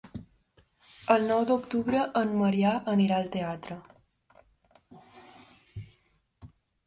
El nou d'octubre en Maria irà al teatre.